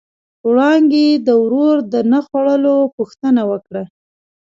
وړانګې د ورور د نه خوړو پوښتنه وکړه.